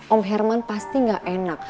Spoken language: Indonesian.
om herman pasti gak enak